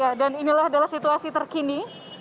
ya dan inilah adalah situasi terkini